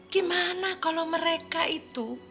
karena kalau mereka itu